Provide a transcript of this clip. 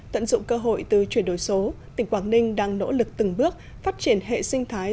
tận dụng cơ hội từ chuyển đổi số tỉnh quảng ninh đang nỗ lực từng bước phát triển hệ sinh thái